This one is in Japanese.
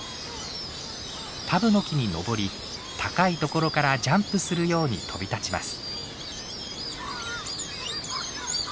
タブノキに登り高いところからジャンプするように飛び立ちます。